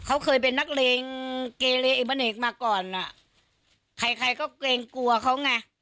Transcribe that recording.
เขาเคยเป็นนักเลงเกเลเอมาเนกมาก่อนอ่ะใครใครก็เกรงกลัวเขาไง